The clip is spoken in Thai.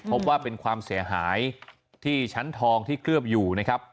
พบว่าเป็นความเสียหายที่ชั้นทองที่เคลือบอยู่นะครับ